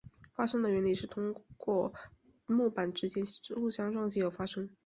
发声的原理是透过木板之间互相撞击而发声。